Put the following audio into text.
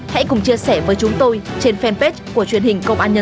hãy cùng chia sẻ với chúng tôi trên fanpage của truyền hình công an nhân dân